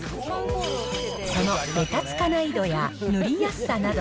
そのべたつかない度や塗りやすさなど、